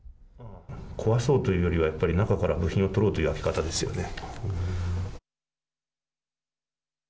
壊そうというよりはやっぱり、中から部品を取ろうという開け方ですよね。